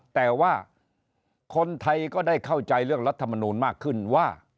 แต่ว่าคนไทยก็ได้เข้าใจเรื่องรัฐมนูลมากขึ้นว่า